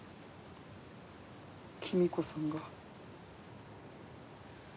公子さんが。